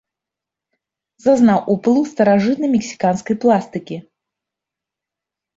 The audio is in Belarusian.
Зазнаў уплыў старажытнай мексіканскай пластыкі.